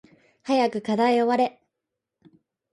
早く課題終われ